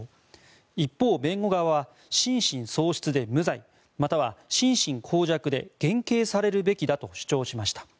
一方、弁護側は心神喪失で無罪または心神耗弱で減刑されるべきだと主張しました。